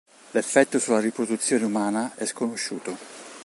L'effetto sulla riproduzione umana è sconosciuto.